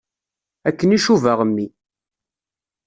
Akken i cubaɣ mmi.